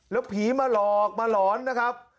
แล้วผีมาหลอกมาหลอนนะครับ